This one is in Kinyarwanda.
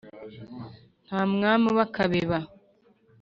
Nta mwami uba akabeba.